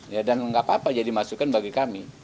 dan tidak apa apa jadi masukkan bagi kami